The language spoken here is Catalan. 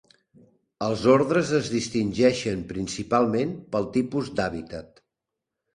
Els ordres es distingeixen principalment pel tipus d'hàbitat.